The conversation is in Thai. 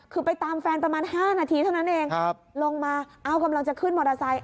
คือไปตามแฟนประมาณ๕นาทีเท่านั้นเองลงมาเอ้ากำลังจะขึ้นมอเตอร์ไซค